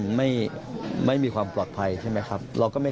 รวมนันกดกรรมงั้นก็เป็นสิทธิสามารตาครองคุ้มรัน